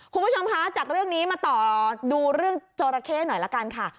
คุณผู้ชมคะจากเรื่องนี้มาต่อดูเรื่องจราเข้หน่อยละกันค่ะ